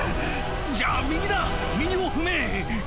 じゃあ右だ右を踏め！